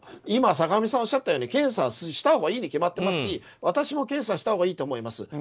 今、坂上さんがおっしゃるように検査したほうがいいに決まっていますし私も検査したほうがいいと思います。